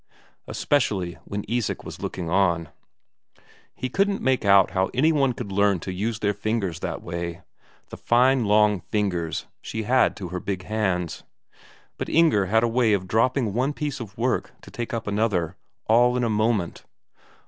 especially when Isak was looking on; he couldn't make out how any one could learn to use their fingers that way the fine long fingers she had to her big hands. But Inger had a way of dropping one piece of work to take up another, all in a moment.